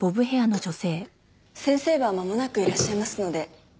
先生はまもなくいらっしゃいますので。